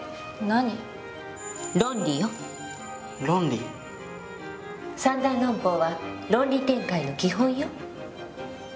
三段論法は論理展開の基本よ。